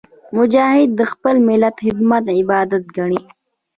مجاهد د خپل ملت خدمت عبادت ګڼي.